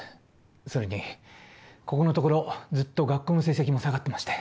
それにここのところずっと学校の成績も下がってまして。